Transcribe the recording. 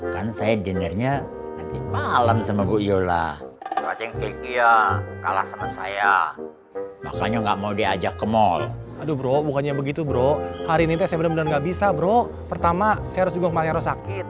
pertama saya harus dukung kemarin yang harus sakit